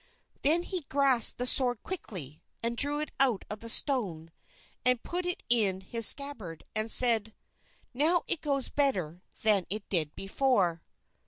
Then he grasped the sword quickly, and drew it out of the stone, and put it into his scabbard, and said, "Now it goes better than it did before."